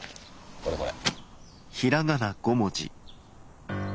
これこれ。